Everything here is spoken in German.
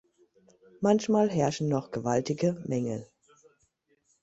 Manchmal herrschen noch gewaltige Mängel.